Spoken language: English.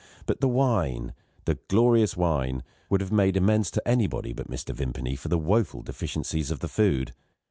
But the wine, the glorious wine, would have made amends to anybody but Mr. Vimpany for the woeful deficiencies of the food.